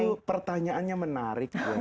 itu pertanyaannya menarik